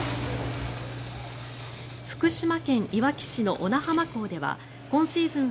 福島県いわき市の小名浜港では今シーズン